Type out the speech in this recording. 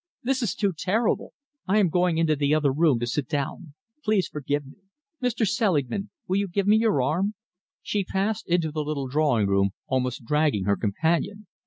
This is too terrible. I am going into the other room to sit down. Please forgive me. Mr. Selingman, will you give me your arm?" She passed into the little drawing room, almost dragging her companion.